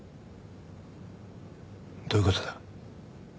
どういうことだ？